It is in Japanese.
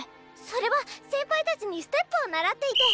それは先輩たちにステップを習っていて。